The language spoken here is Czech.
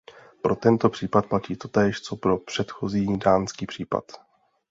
Pro tento případ platí totéž co pro předchozí dánský případ.